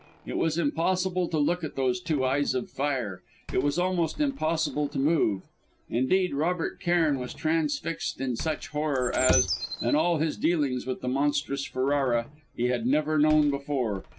It was impossible to look at those two eyes of fire; it was almost impossible to move. Indeed Robert Cairn was transfixed in such horror as, in all his dealings with the monstrous Ferrara, he had never known before.